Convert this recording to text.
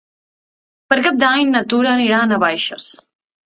Per Cap d'Any na Tura anirà a Navaixes.